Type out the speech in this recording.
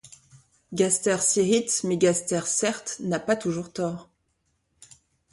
Gaster s’irrite ; mais Gaster, certes, n’a pas toujours tort.